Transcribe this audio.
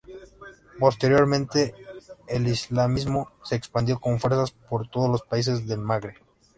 Posteriormente, el islamismo se expandió con fuerza por todos los países del Magreb.